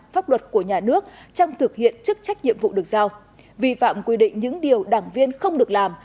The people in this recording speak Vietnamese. pháp luật của nhà nước trong thực hiện chức trách nhiệm vụ được giao vi phạm quy định những điều đảng viên không được làm